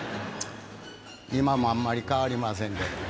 今もあんまり変わりませんけど。